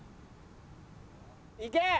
いけ！